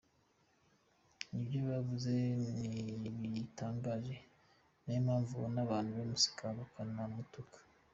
“Ibyo yavuze ntibitangaje ni nayo mpamvu ubona abantu bamuseka bakanamutuka.